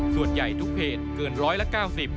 ส่วนใหญ่ทุกเพจเกินร้อยละ๙๐